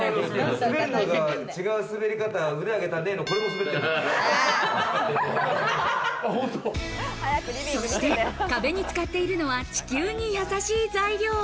そして、壁に使っているのは、地球にやさしい材料。